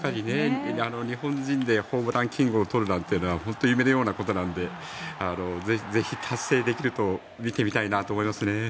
日本人でホームランキングを取るなんていうのは本当に夢のようなことなのでぜひ達成できると見てみたいなと思いますね。